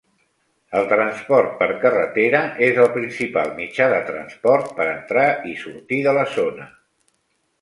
El transport per carretera és el principal mitjà de transport per entrar i sortir de la zona.